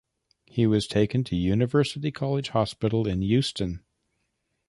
He was taken to University College Hospital in Euston.